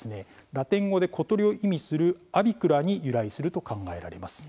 ラテン語で小鳥を意味するアヴィクラに由来すると考えらます。